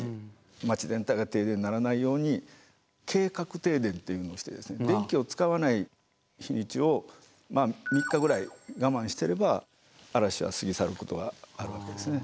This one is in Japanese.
街全体が停電にならないように計画停電というのをして電気を使わない日にちをまあ３日ぐらい我慢してれば嵐は過ぎ去ることがあるわけですね。